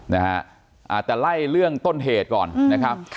แต่ไล่เรื่องต้นเหตุก่อนนะครับ